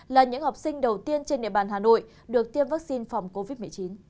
là những học sinh đầu tiên trên địa bàn hà nội được tiêm vaccine phòng covid một mươi chín